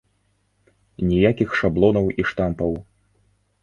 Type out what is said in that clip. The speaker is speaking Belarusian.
Ніякіх шаблонаў і штампаў!